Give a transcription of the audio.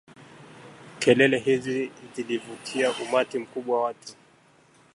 Kelele hizi ziliuvutia umati mkubwa watu